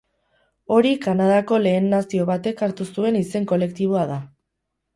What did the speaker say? Hori Kanadako Lehen Nazio batek hartu zuen izen kolektiboa da.